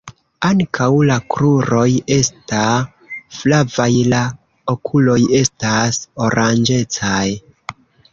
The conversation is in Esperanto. Ankaŭ la kruroj esta flavaj, La okuloj estas oranĝecaj.